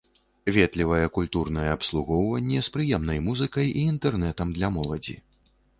Ветлівае культурнае абслугоўванне, з прыемнай музыкай і інтэрнэтам для моладзі.